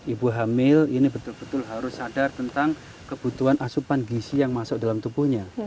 ibu hamil ini betul betul harus sadar tentang kebutuhan asupan gisi yang masuk dalam tubuhnya